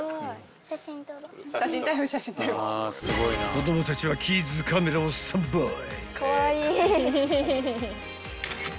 ［子供たちはキッズカメラをスタンバイ］